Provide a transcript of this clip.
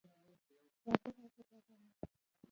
راځه ـ راځه جانانه راشه.